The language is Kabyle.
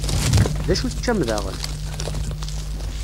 D acu teččam daɣen?